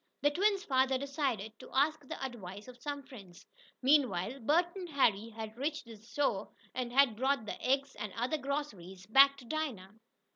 The twins' father decided to ask the advice of some friends. Meanwhile Bert and Harry had reached the store, and had brought the eggs, and other groceries, back to Dinah.